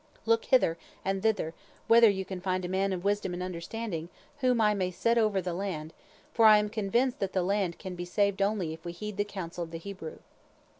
Look hither and thither whether you can find a man of wisdom and understanding, whom I may set over the land, for I am convinced that the land can be saved only if we heed the counsel of the Hebrew."